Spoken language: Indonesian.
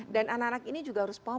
dan anak anak ini juga harus paham